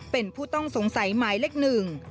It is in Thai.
เป็นผู้ต้องสงสัยหมายเลขหนึ่ง